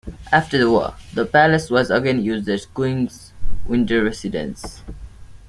After the war, the palace was again used as the Queen's winter residence.